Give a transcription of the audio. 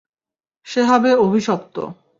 সে হবে অভিশপ্ত।